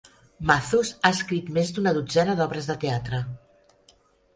Matthus ha escrit més d'una dotzena d'obres de teatre.